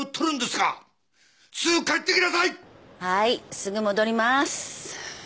すぐ戻ります。